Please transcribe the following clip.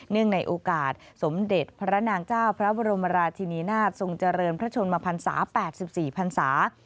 ในโอกาสสมเด็จพระนางเจ้าพระบรมราชินีนาฏทรงเจริญพระชนมพันศา๘๔พันศา